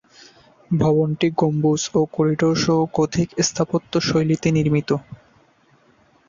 ভবনটি গম্বুজ ও করিডোর সহ গথিক স্থাপত্যশৈলীতে নির্মিত।